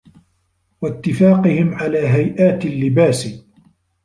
وَاتِّفَاقِهِمْ عَلَى هَيْئَاتِ اللِّبَاسِ